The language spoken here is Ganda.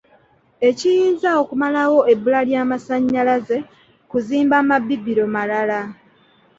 Ekiyinza okumalawo ebbula ly'amasanyalaze kuzimba mabibiro malala.